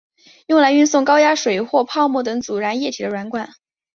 是用来运送高压水或泡沫等阻燃液体的软管。